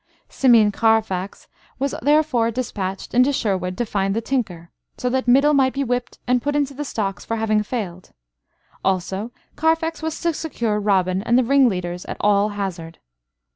Simeon Carfax was therefore despatched into Sherwood to find the tinker, so that Middle might be whipped and put into the stocks for having failed; also Carfax was to secure Robin and the ringleaders at all hazard.